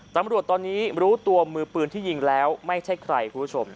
ตำรวจตอนนี้รู้ตัวมือปืนที่ยิงแล้วไม่ใช่ใครคุณผู้ชม